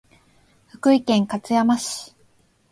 福井県勝山市